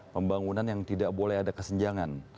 pembangunan yang tidak boleh ada kesenjangan